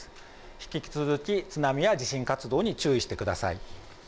引き続き津波や地震活動に注意をしてください。